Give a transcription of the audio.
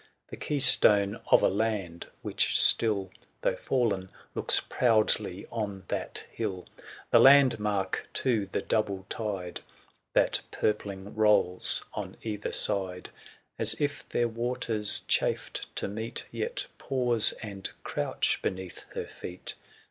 The keystone of a land, which still, Though fall'n, looks proudly on that hill. The land mark to the double tide That purpling rolls on either side, 10 As if their waters chafed to meet. Yet pause and crouch beneath her feet.